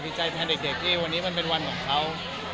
ดีใจแทนเด็กที่วันนี้มันเป็นวันของเขา